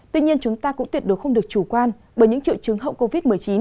tuy nhiên chúng ta cũng tuyệt đối không được chủ quan bởi những triệu chứng hậu covid một mươi chín